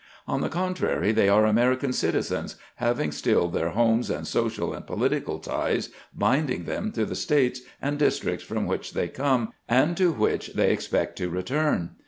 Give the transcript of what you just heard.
On the contrary, they are American citizens, having stiU their homes and social and political ties binding them to the States and districts from which they come and to which they expect to return.